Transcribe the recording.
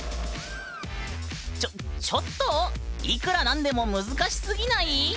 ちょっちょっといくら何でも難しすぎない？